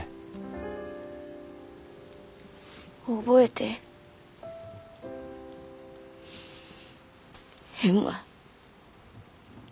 覚えてへんわ。